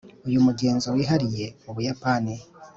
uyu mugenzo wihariye mubuyapani